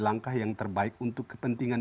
langkah yang terbaik untuk kepentingan